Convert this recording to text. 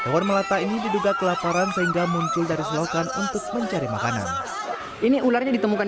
pohon melata ini diduga kelaparan sehingga muncul dari selokan untuk mencari makanan ini ularnya ditemukan